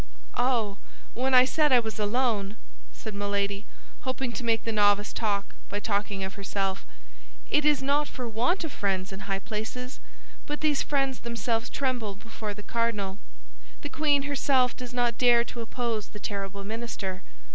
"Oh, when I said I was alone," said Milady, hoping to make the novice talk by talking of herself, "it is not for want of friends in high places; but these friends themselves tremble before the cardinal. The queen herself does not dare to oppose the terrible minister.